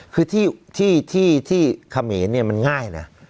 คือที่เขมรมันง่ายนะ